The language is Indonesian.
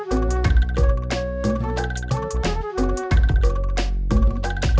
tunggu ini kita beli